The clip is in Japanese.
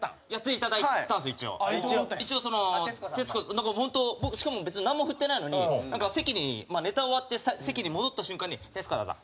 なんかホント僕しかも別になんも振ってないのになんか席にネタ終わって席に戻った瞬間に「徹子だぞ」